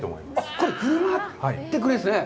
これ、振る舞ってくれるんですね。